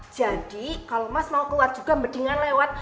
jadi kalau mas mau keluar juga mendingan lewat